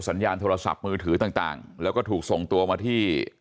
สัญญาณโทรศัพท์มือถือต่างแล้วก็ถูกส่งตัวมาที่